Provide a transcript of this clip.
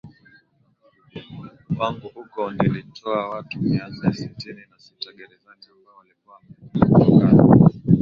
wanguHuko nilitoa watu mia nne sitini na sita gerezani ambao walikuwa wamefungwa kutokana